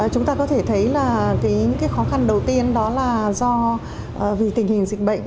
chúng ta có thể thấy là những khó khăn đầu tiên đó là do vì tình hình dịch bệnh